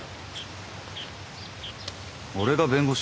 俺が弁護士？